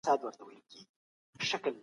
که څېړنه اړینه وي نو ګټوره به واقع سي.